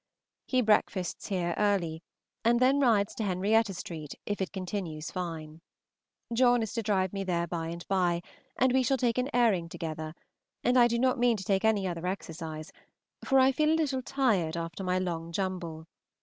He breakfasts here early, and then rides to Henrietta St. If it continues fine, John is to drive me there by and by, and we shall take an airing together; and I do not mean to take any other exercise, for I feel a little tired after my long jumble.